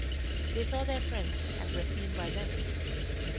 They saw their friends and were seen by them.